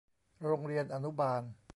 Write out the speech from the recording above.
โรงเรียนอนุบาล